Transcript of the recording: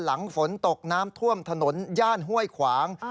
หลังฝนตกน้ำท่วมถนนย่านห้วยขวาง